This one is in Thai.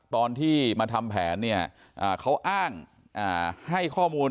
ตอนที่มาทำแผนเนี่ยเขาอ้างให้ข้อมูล